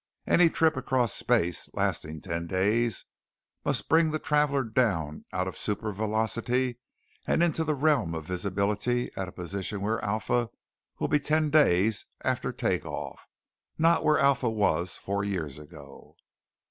Any trip across space, lasting ten days, must bring the traveller down out of supervelocity and into the realm of visibility at the position where Alpha will be ten days after take off not where Alpha was four years ago.